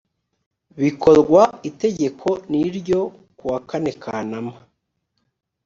bikorwa itegeko n ryo kuwa kane kanama